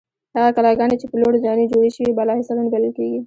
هغه کلاګانې چې په لوړو ځایونو جوړې شوې بالاحصارونه بلل کیږي.